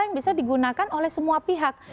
yang bisa digunakan oleh semua pihak